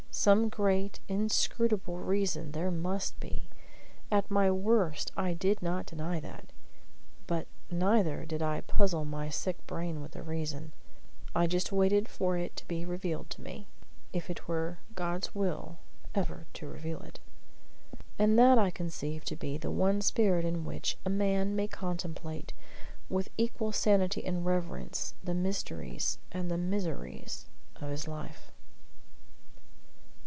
Some great inscrutable reason there must be; at my worst I did not deny that. But neither did I puzzle my sick brain with the reason. I just waited for it to be revealed to me, if it were God's will ever to reveal it. And that I conceive to be the one spirit in which a man may contemplate, with equal sanity and reverence, the mysteries and the miseries of his life.